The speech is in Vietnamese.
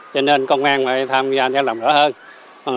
cho nên công an phải tham gia làm rõ hơn